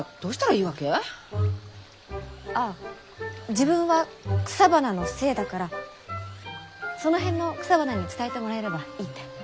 「自分は草花の精だからその辺の草花に伝えてもらえればいい」って。